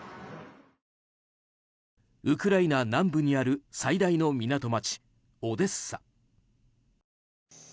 ウクライナ南部にある最大の港町、オデッサ。